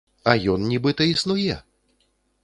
А ён нібыта існуе!